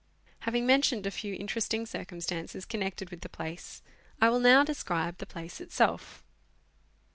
Having mentioned a few interesting cir cumstances connected with the place, I will now describe the place itself.